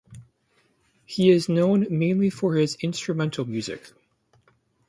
He is known mainly for his instrumental music.